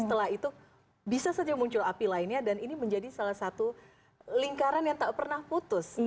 setelah itu bisa saja muncul api lainnya dan ini menjadi salah satu lingkaran yang tak pernah putus